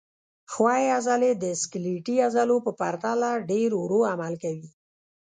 ښویې عضلې د سکلیټي عضلو په پرتله ډېر ورو عمل کوي.